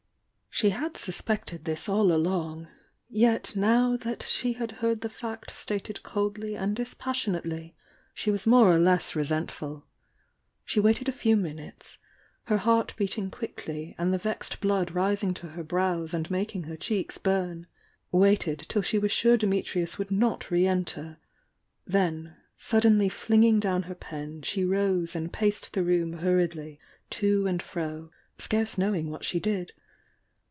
She had suspected this all along— yet now that she had heard the fact stated coldly and dispassionately, she was more or less resentful She waited a few minutes, her heart beating quickly and the vexed blood rising to her brows and makmg her cheeks burn,— waited till she was sure Dimitnus would not re enter,— then, suddenly flinging down her pan, she rose and paced the room hurriedly to and fro, scarce knowing what she did.